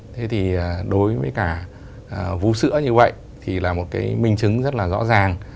thế thì đối với cả vũ sữa như vậy thì là một cái minh chứng rất là rõ ràng